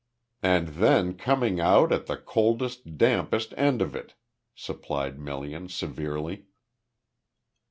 "And then coming out at the coldest, dampest end of it," supplied Melian severely.